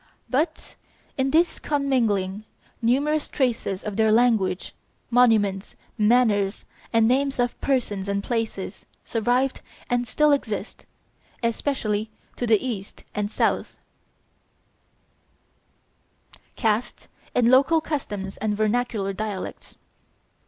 But, in this commingling numerous traces of their language, monuments, manners, and names of persons and places, survived and still exist, especially to the east and south cast, in local customs and vernacular dialects.